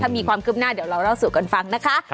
มีความคืบหน้าเดี๋ยวเราเล่าสู่กันฟังนะคะ